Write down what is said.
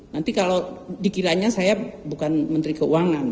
nanti kalau dikiranya saya bukan menteri keuangan